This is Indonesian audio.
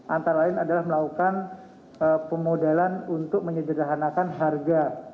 antara lain adalah melakukan pemodalan untuk menyederhanakan harga